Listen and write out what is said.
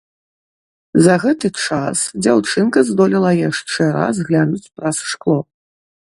За гэты час дзяўчынка здолела яшчэ раз глянуць праз шкло.